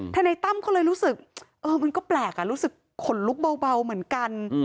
นายตั้มก็เลยรู้สึกมันก็แปลกรู้สึกขนลุกเบาเหมือนกัน